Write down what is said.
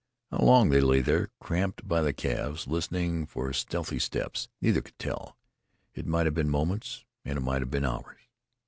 How long they lay there, cramped by the calves, listening for stealthy steps, neither could tell; it might have been moments and it might have been hours.